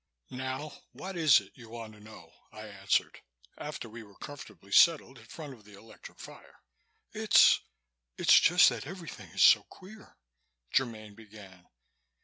"Now, what is it you want to know?" I answered, after we were comfortably settled in front of the electric fire. "It's it's just that everything is so queer," Germaine began.